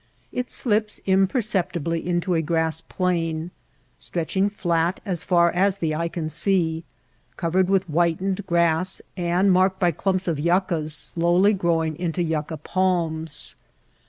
It slips imperceptibly into a grass plain, stretching flat as far as the eye can see, covered with whitened grass, and marked by clumps of yuccas slowly growing into yucca palms.